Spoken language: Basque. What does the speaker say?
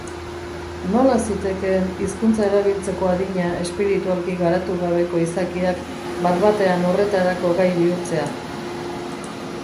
Nola zitekeen hizkuntza erabiltzeko adina espiritualki garatu gabeko izakiak bat-batean horretarako gai bihurtzea?